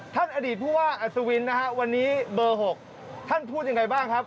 ท่านอดีตผู้ว่าอัศวินนะฮะวันนี้เบอร์๖ท่านพูดยังไงบ้างครับ